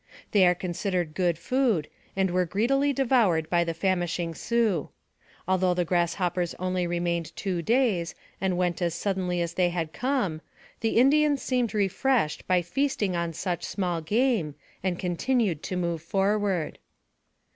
They are considered good food, and were greedily devoured by the famishing Sioux. Although the grasshoppers only remained two days, and went as sud denly as they had come, the Indians seemed refreshed 124 NARRATIVE OF CAPTIVITY by feasting on such small game, and continued to move forward.